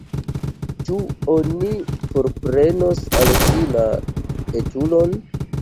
Ĉu oni forprenos de ŝi la etulon?